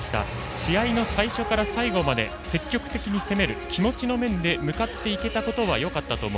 試合の最初から最後まで積極的に攻める気持ちの面で向かっていけたことはよかったと思う。